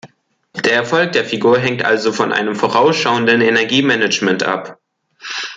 Der Erfolg der Figur hängt also von einem vorausschauenden Energiemanagement ab.